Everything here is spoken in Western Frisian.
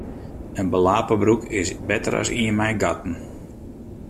In belape broek is better as ien mei gatten.